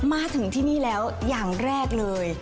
มาถึงที่นี่แล้วอย่างแรกเลย